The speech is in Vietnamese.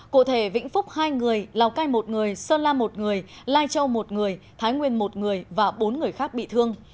cụ thể vĩnh phúc hai người lào cai một người sơn la một người lai châu một người thái nguyên một người và bốn người khác bị thương